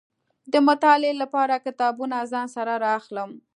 د مطالعې لپاره کتابونه ځان سره را اخلم.